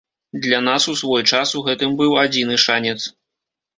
Для нас у свой час у гэтым быў адзіны шанец.